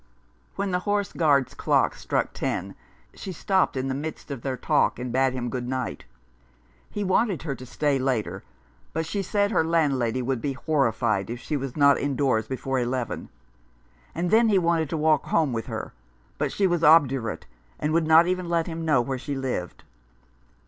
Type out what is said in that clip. When the Horse Guards' clock struck ten she stopped in the midst of their talk, and bade him good night. He wanted her to stay later, but she said her landlady would be horrified if she was not indoors 37 Rough Justice. before eleven, and then he wanted to walk home with her, but she was obdurate, and would not even let him know where she lived.